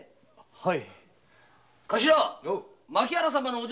はい。